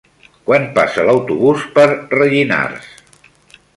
Quan passa l'autobús per Rellinars?